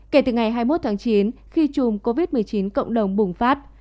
kể từ ngày hai mươi một tháng chín khi chùm covid một mươi chín cộng đồng bùng phát